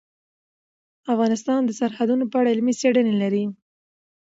افغانستان د سرحدونه په اړه علمي څېړنې لري.